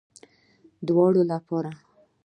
دواړو لپاره